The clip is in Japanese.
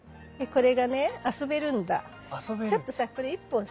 これ。